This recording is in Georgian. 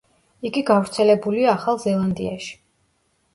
იგი გავრცელებულია ახალ ზელანდიაში.